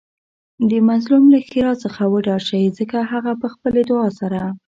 د مظلوم له ښیرا څخه وډار شئ ځکه هغه په خپلې دعاء سره